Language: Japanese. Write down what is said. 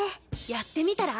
やってみたら？